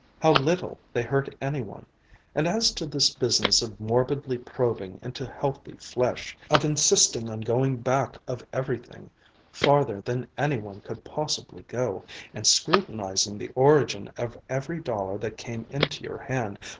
How little they hurt any one! And as to this business of morbidly probing into healthy flesh, of insisting on going back of everything, farther than any one could possibly go, and scrutinizing the origin of every dollar that came into your hand